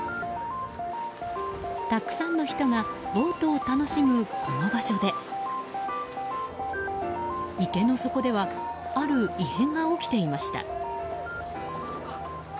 たくさんの人がボートを楽しむこの場所で池の底ではある異変が起きていました。